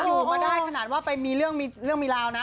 อยู่มาได้ขนาดว่าไปมีเรื่องมีเรื่องมีราวนะ